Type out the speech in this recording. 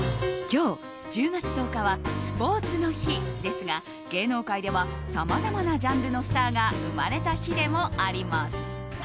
今日、１０月１０日はスポーツの日ですが芸能界ではさまざまなジャンルのスターが生まれた日でもあります。